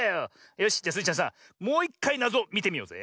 よしじゃスイちゃんさもういっかいなぞみてみようぜ。